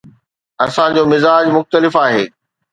اسان جو مزاج مختلف آهي.